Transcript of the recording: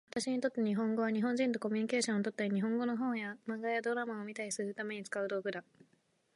私にとって日本語は、日本人とコミュニケーションをとったり、日本語の本や漫画やドラマを見たりするために使う道具だ。